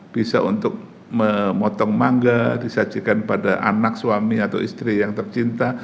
bisa untuk memotong mangga disajikan pada anak suami atau istri yang tercinta